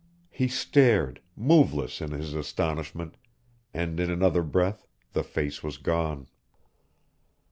He stared, moveless in his astonishment, and in another breath the face was gone.